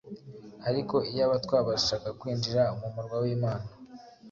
Ariko iyaba twabashaga kwinjira mu murwa w’Imana,